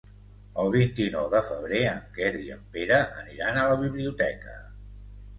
El vint-i-nou de febrer en Quer i en Pere aniran a la biblioteca.